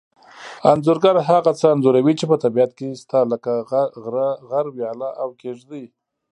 انځورګر هغه څه انځوروي چې په طبیعت کې شته لکه غره ویاله او کېږدۍ